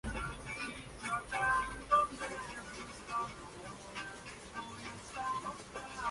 El primer día la vieron en público los Reyes.